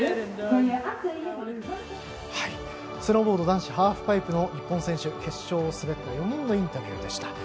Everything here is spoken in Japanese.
スノーボード男子ハーフパイプの日本選手、決勝を滑った４人のインタビューでした。